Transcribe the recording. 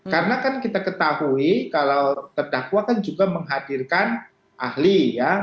karena kan kita ketahui kalau terdakwa kan juga menghadirkan ahli ya